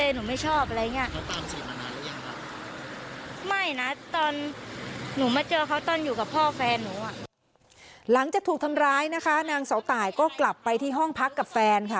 หลังจากถูกทำร้ายนะคะนางเสาตายก็กลับไปที่ห้องพักกับแฟนค่ะ